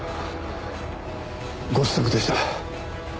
ご子息でした。